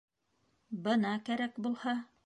— Бына кәрәк булһа!